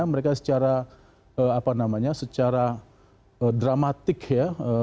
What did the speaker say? mereka secara apa namanya secara dramatik ya